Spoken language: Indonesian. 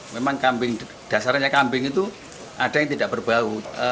memang kambing dasarnya kambing itu ada yang tidak berbau